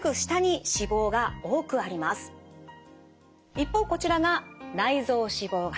一方こちらが内臓脂肪型。